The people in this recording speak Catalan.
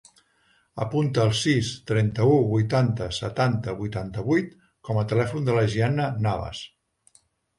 Apunta el sis, trenta-u, vuitanta, setanta, vuitanta-vuit com a telèfon de la Gianna Navas.